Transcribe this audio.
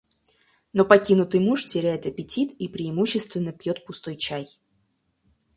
Но покинутый муж теряет аппетит и преимущественно пьёт пустой чай.